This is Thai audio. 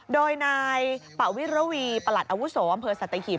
โดยนายปะวิระวีประหลัดอาวุโสอำเภอสัตหีบ